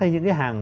hay những cái hàng